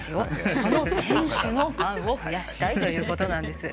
その選手のファンを増やしたいということなんです。